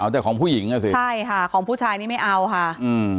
แต่ของผู้หญิงอ่ะสิใช่ค่ะของผู้ชายนี้ไม่เอาค่ะอืม